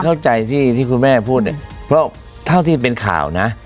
คือเข้าใจที่คุณแม่พูดเพราะเท่าที่เป็นข่าวนะ